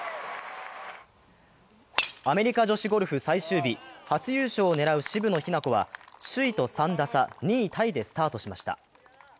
アメリカ女子ゴルフ最終日、初優勝を狙う渋野日向子は首位と３打差、２位タイでスタートしました。